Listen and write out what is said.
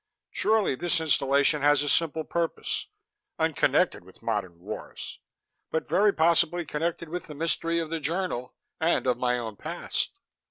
"Surely this installation has a simple purpose unconnected with modern wars but very possibly connected with the mystery of the journal and of my own past."